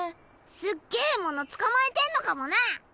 すっげぇ獲物捕まえてんのかもな。